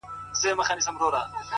o باندي شعرونه ليكم،